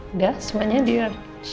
udah semuanya dia